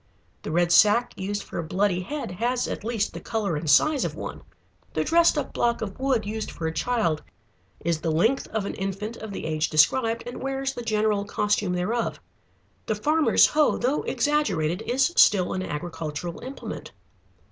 The red sack used for a bloody head has at least the color and size of one. The dressed up block of wood used for a child is the length of an infant of the age described and wears the general costume thereof. The farmer's hoe, though exaggerated, is still an agricultural implement.